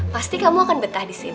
pasti kamu akan betul betul berhasil